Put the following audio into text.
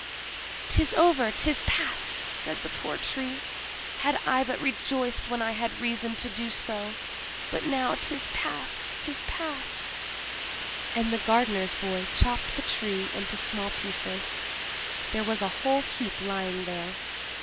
"'Tis over—'tis past!" said the poor Tree. "Had I but rejoiced when I had reason to do so! But now 'tis past, 'tis past!" And the gardener's boy chopped the Tree into small pieces; there was a whole heap lying there.